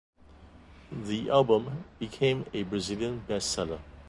The album became a Brazilian best-seller.